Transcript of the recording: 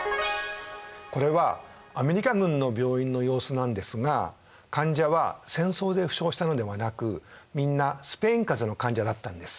これはアメリカ軍の病院の様子なんですが患者は戦争で負傷したのではなくみんなスペインかぜの患者だったんです。